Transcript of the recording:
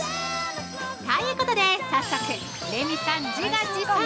◆ということで、早速レミさん自画自賛！